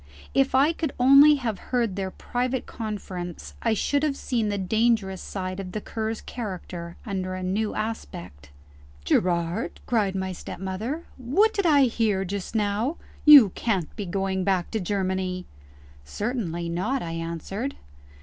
If I could only have heard their private conference, I should have seen the dangerous side of the Cur's character under a new aspect. "Gerard!" cried my stepmother, "what did I hear just now? You can't be going back to Germany!" "Certainly not," I answered.